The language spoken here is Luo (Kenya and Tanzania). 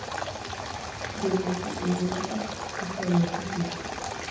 Gwelo Ji e Yo ma Ok ochomo katich,